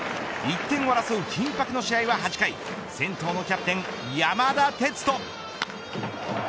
１点を争う緊迫の試合は８回先頭のキャプテン山田哲人。